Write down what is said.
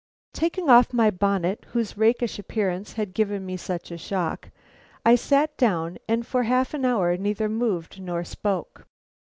Taking off my bonnet, whose rakish appearance had given me such a shock, I sat down, and for half an hour neither moved nor spoke.